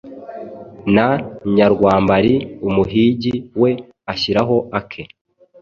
Na Nyarwambari umuhigi we ashyiraho ake